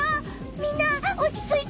みんなおちついて！